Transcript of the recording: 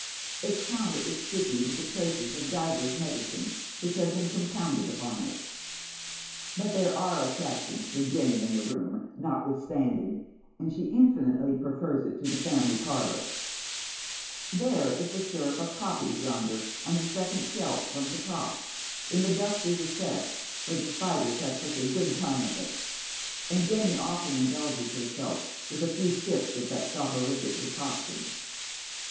Its counter is sticky with the traces of divers medicines wliich have been compounded upon it. But there are attractions for Jenny in the room notwith standing, and she infinitely prefers it to the family parlour. There is the sy.up of poppies yonder on the second shelf from the top, in the dusty recess where the spiders have such a good time of it, and Jenny often indulges herself with a few sips of that soporific decuctiua.